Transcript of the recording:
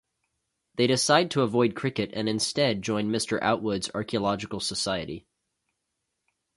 They decide to avoid cricket and instead join Mr Outwood's archaeological society.